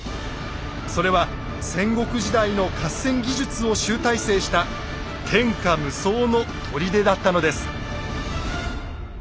それは戦国時代の合戦技術を集大成した天下無双の砦だったのです。